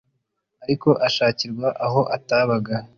ariko ashakirwa aho atabaga.